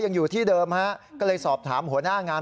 ยังอยู่ที่เดิมฮะก็เลยสอบถามหัวหน้างาน